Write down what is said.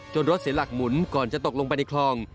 รถเสียหลักหมุนก่อนจะตกลงไปในคลอง